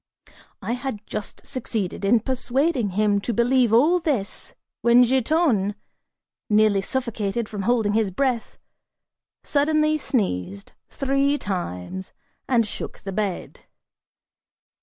I had just succeeded in persuading him to believe all this when Giton, nearly suffocated from holding his breath, suddenly sneezed three times, and shook the bed.